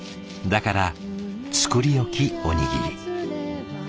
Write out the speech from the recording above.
だから作り置きおにぎり。